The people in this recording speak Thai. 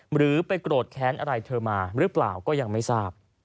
หรือไปโกรธแค้นอะไรเธอมาหรือเปล่าก็ยังไม่ทราบ